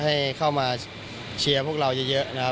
ให้เข้ามาเชียร์พวกเราเยอะ